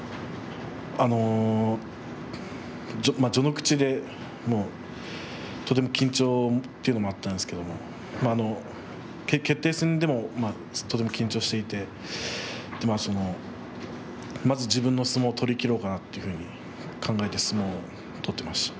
まだ序ノ口でとても緊張というのがあったんですが決定戦でもとても緊張していてまず自分の相撲を取りきろうかなと考えて相撲を取ってました。